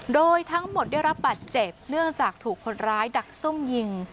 โดยทั้งหมดได้รับบัตรเจ็บเนื่องจากถูกคนร้ายดักซุ่มยิง